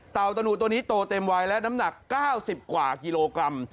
ตะหนุตัวนี้โตเต็มวัยและน้ำหนัก๙๐กว่ากิโลกรัม